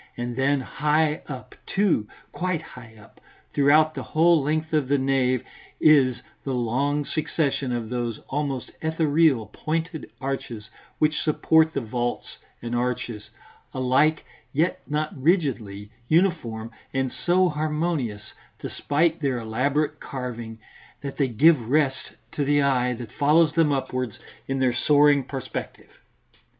And then high up, too, quite high up, throughout the whole length of the nave, is the long succession of those almost ethereal pointed arches which support the vaults and arches, alike, yet not rigidly uniform, and so harmonious, despite their elaborate carving, that they give rest to the eye that follows them upwards in their soaring perspective.